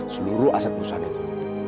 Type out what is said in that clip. peniru aset perusahaan itu